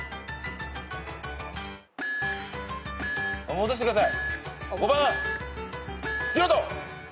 戻してください。